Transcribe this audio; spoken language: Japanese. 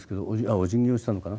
おじぎをしたのかな。